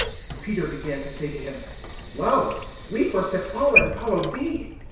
(28)Peter began to say to him: Lo, we forsook all, and followed thee.